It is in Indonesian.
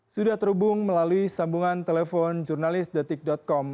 sudah terhubung melalui sambungan telepon jurnalis detik com